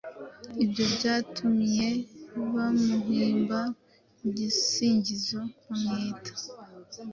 Ibyo byatumyebamuhimba igisingizo bamwita “